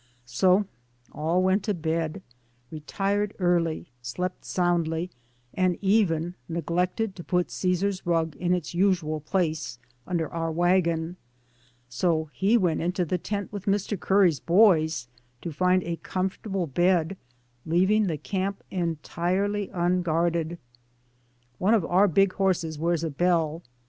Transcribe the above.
So all went to bed, retired early, slept soundly, and even neglected to put Caesar's rug in its usual place — under our wagon— so he went into the tent with Mr. Curry's boys to find a comfortable bed, leaving the camp entirely unguarded. One of our big horses wears a bell.